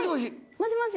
もしもし。